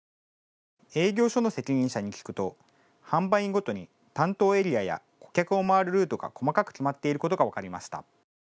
営業所の責任者に聞くと販売員ごとに担当エリアや顧客を回るルートが細かく決まっていることが分かりました。